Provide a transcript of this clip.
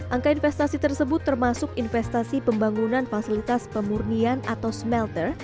angka investasi tersebut termasuk investasi pembangunan fasilitas pemurnian atau smelter